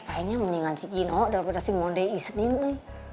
kayaknya mendingan si gino daripada si monde ismin teh